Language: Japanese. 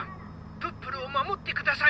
プップルをまもってください」。